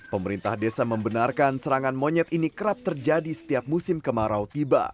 pemerintah desa membenarkan serangan monyet ini kerap terjadi setiap musim kemarau tiba